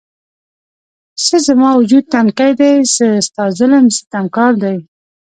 څه زما وجود تنکی دی، څه ستا ظلم ستم کار دی